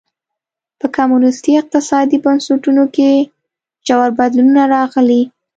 په کمونېستي اقتصادي بنسټونو کې ژور بدلونونه راغلي.